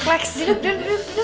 duduk duduk duduk